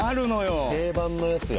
定番のやつよ。